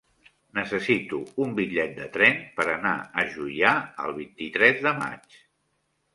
Necessito un bitllet de tren per anar a Juià el vint-i-tres de maig.